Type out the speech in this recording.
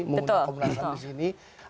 menggunakan komnas ham disini